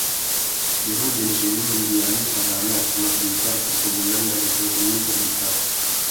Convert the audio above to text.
Burung jenis ini mendiami sabana, semak belukar, perkebunan dan hutan semi-terbuka.